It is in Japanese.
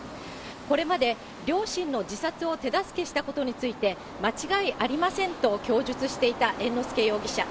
これまで、両親の自殺を手助けしたことについて間違いありませんと供述していた猿之助容疑者。